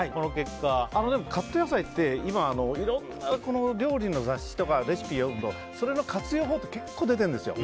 カット野菜って今、いろんな料理の雑誌とかレシピを読むとそれの活用法って結構出てるんですよ。